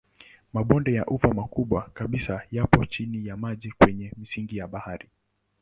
Mabonde ya ufa makubwa kabisa yapo chini ya maji kwenye misingi ya bahari.